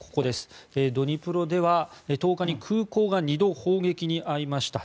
ドニプロでは１０日に空港が２度、砲撃に遭いました。